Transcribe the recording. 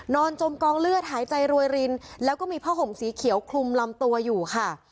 จมกองเลือดหายใจรวยรินแล้วก็มีผ้าห่มสีเขียวคลุมลำตัวอยู่ค่ะ